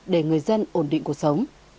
để người dân ổn định cuộc sống